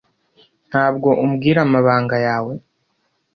ntabwo umbwira amabanga yawe